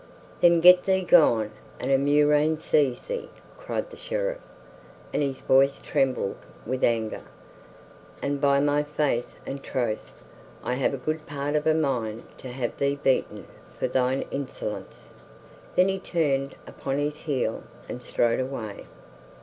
"Then get thee gone, and a murrain seize thee!" cried the Sheriff, and his voice trembled with anger. "And by my faith and troth, I have a good part of a mind to have thee beaten for thine insolence!" Then he turned upon his heel and strode away.